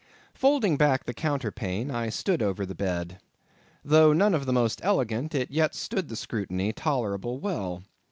Folding back the counterpane, I stooped over the bed. Though none of the most elegant, it yet stood the scrutiny tolerably well.